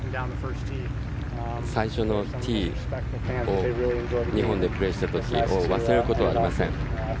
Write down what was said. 最初のティーを日本でプレーした時忘れることはありません。